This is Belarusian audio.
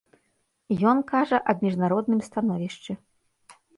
Ён кажа аб міжнародным становішчы.